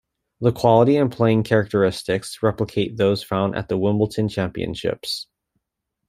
The quality and playing characteristics replicate those found at the Wimbledon Championships.